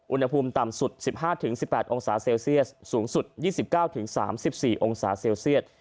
อุณหภูมิต่ำสุด๑๕๑๘องศาเซลเซียสสูงสุด๒๙๓๔องศาเซลเซียต